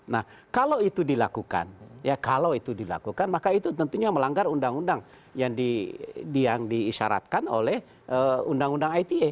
nah kalau itu dilakukan ya kalau itu dilakukan maka itu tentunya melanggar undang undang yang diisyaratkan oleh undang undang ite